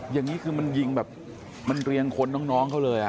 อย่างนี้คือมันยิงแบบมันเรียงคนน้องเขาเลย